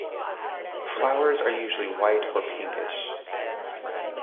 Flowers are usually white or pinkish.